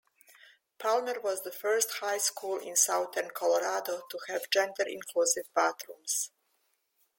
Palmer was the first high school in Southern Colorado to have gender-inclusive bathrooms.